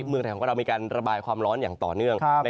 เมืองไทยของเรามีการระบายความร้อนอย่างต่อเนื่อง